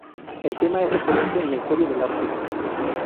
El tema es recurrente en la historia del arte.